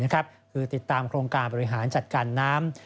คือติดตามโครงการบริหารจัดการน้ำ